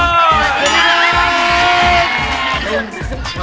สวัสดีครับ